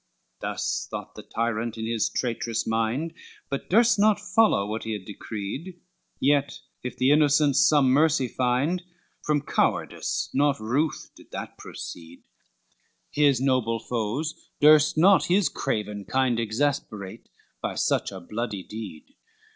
LXXXVIII Thus thought the tyrant in his traitorous mind, But durst not follow what he had decreed, Yet if the innocents some mercy find, From cowardice, not truth, did that proceed, His noble foes durst not his craven kind Exasperate by such a bloody deed.